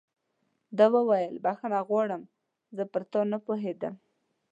ده وویل: بخښنه غواړم، زه پر تا نه پوهېدم.